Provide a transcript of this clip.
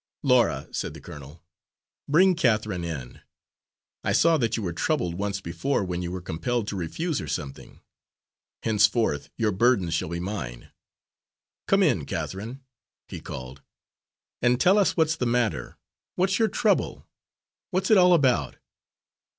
"Laura," said the colonel, "bring Catharine in. I saw that you were troubled once before when you were compelled to refuse her something. Henceforth your burdens shall be mine. Come in, Catharine," he called, "and tell us what's the matter. What's your trouble? What's it all about?"